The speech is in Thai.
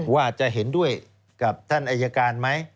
ว่าจะเห็นด้วยกับท่านอายการไหม